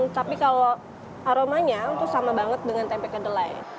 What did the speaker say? tapi kalau aromanya itu sama banget dengan tempe kedelai